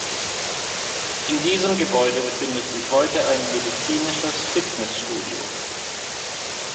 In diesem Gebäude befindet sich heute ein medizinisches Fitnessstudio.